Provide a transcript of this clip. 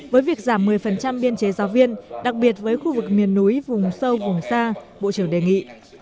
với việc giảm một mươi biên chế giáo viên đặc biệt với khu vực miền núi vùng sâu vùng xa bộ trưởng đề nghị